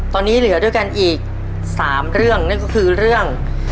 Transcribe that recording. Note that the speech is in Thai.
ตอนนี้เหลือด้วยกันอีก๓เรื่องนั่นก็คือเรื่อง